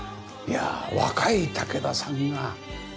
いやあ若い武田さんが。